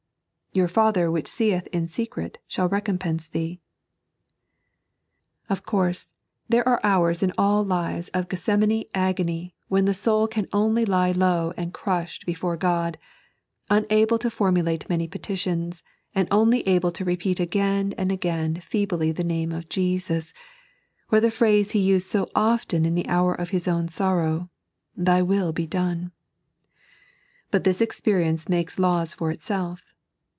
" Tour Father which seeth in secret shall recompense thee." Of course there are hours in ell lives of Gethsemane 3.n.iized by Google 114 The Disciples' Peatee. agony when the soul can only lie low and crushed before God, unable to formulate many pefeitious, and only able to repeat again and again feebly the name of Jesus, or the phrase He used so often in the hour of His own sorrow, " Thy mill be dime." But this experience makes laws for itself.